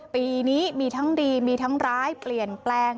ปีนี้มีทั้งดีมีทั้งร้ายเปลี่ยนแปลง